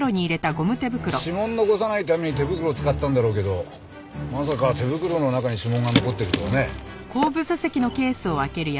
指紋残さないために手袋使ったんだろうけどまさか手袋の中に指紋が残ってるとはね。